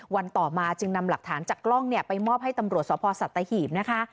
วันต่อมาจึงนำหลักฐานจากกล้องไปมอบให้ตำรวจสพสัตหีบนะคะ